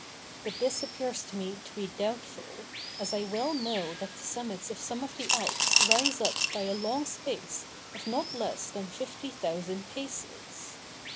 But this appears to me to be doubtful, as I well know that the summits of some of the Alps rise up by a long space of not less than fifty thousand paces.